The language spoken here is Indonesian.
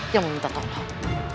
yang meminta tolong